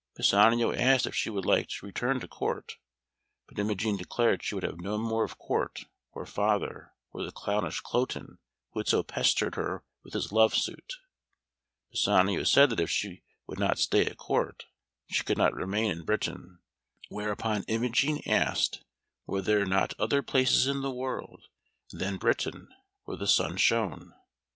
Pisanio asked if she would like to return to Court, but Imogen declared she would have no more of Court, or father, or the clownish Cloten, who had so pestered her with his love suit. Pisanio said that if she would not stay at Court she could not remain in Britain, whereupon Imogen asked were there not other places in the world than Britain where the sun shone?